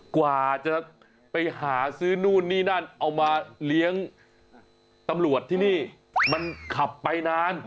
กว่าจะไปหาซื้อนู่นนี่นั่นเอามาเลี้ยงตำรวจที่นี่มันขับไปนาน